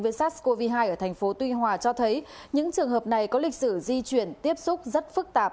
với sars cov hai ở thành phố tuy hòa cho thấy những trường hợp này có lịch sử di chuyển tiếp xúc rất phức tạp